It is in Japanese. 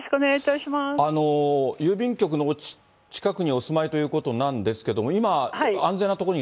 郵便局の近くにお住まいということなんですけど、今、はい。